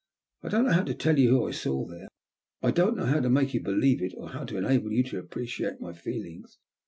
I don't know how to tell you who I saw there ; I don't know how to make you believe it, or how to enable you to appreciate my feelings.